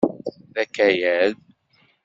D akayad.